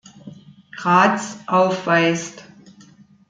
Grads aufweist.